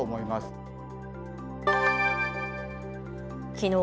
きのう